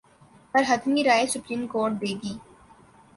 پر حتمی رائے supreme court دے گی۔